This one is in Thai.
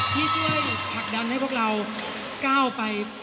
ที่ช่วยผลักดันให้พวกเราก้าวไป